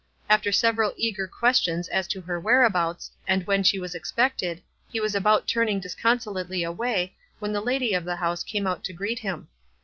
After several eager questions as to her whereabouts, and when she was expected, he was about turn ing disconsolately aw 7 ay, when the lady of the house came out to greet him.